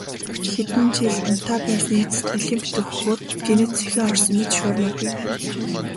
Хэдэн жил унтаа байсны эцэст олимп дөхөхөөр гэнэт сэхээ орсон мэт шуурмааргүй байна.